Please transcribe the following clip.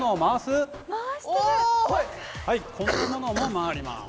はいこんなものも回ります。